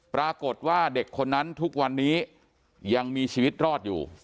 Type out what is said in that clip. ปรากฏว่าเด็กคนนั้นทุกวันนี้ยังมีชีวิตรอดอยู่